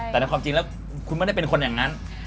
แต่ในความจริงแล้วคุณไม่ได้เป็นคนอย่างนั้น